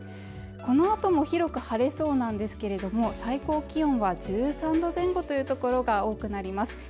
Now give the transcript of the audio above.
このあとも広く晴れそうなんですけれども最高気温は１３度前後という所が多くなります